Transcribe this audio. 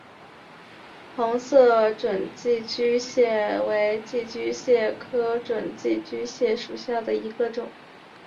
红色准寄居蟹为寄居蟹科准寄居蟹属下的一个种。